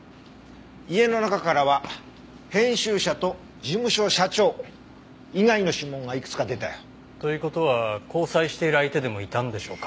家の中からは編集者と事務所社長以外の指紋がいくつか出たよ。という事は交際している相手でもいたんでしょうか？